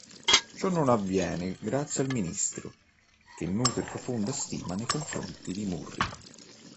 Ciò non avviene grazie al ministro, che nutre profonda stima nei confronti di Murri.